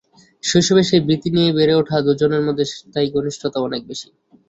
শৈশবের সেই ভীতি নিয়ে বেড়ে ওঠা দুজনের মধ্যে তাই ঘনিষ্ঠতাও অনেক বেশি।